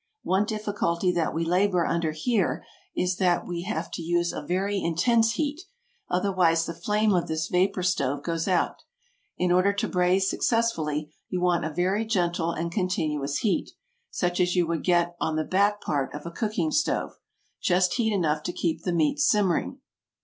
One difficulty that we labor under here is that we have to use a very intense heat, otherwise the flame of this vapor stove goes out. In order to braise successfully you want a very gentle and continuous heat, such as you would get on the back part of a cooking stove, just heat enough to keep the meat simmering.